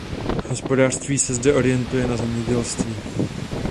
Hospodářství se zde orientuje na zemědělství.